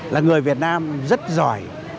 là người việt nam rất giỏi